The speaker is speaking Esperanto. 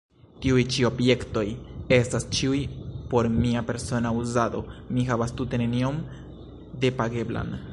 Tiuj ĉi objektoj estas ĉiuj por mia persona uzado; mi havas tute nenion depageblan.